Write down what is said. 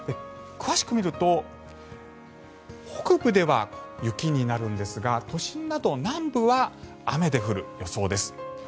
詳しく見ると、北部では雪になるんですが都心など南部は雨で降る予想です。